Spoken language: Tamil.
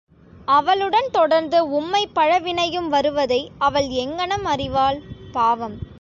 அவளுடன் தொடர்ந்து உம்மைப்பழவினை யும் வருவதை அவள் எங்ஙனம் அறிவாள், பாவம்?